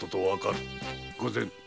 御前！